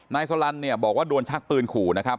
สลันเนี่ยบอกว่าโดนชักปืนขู่นะครับ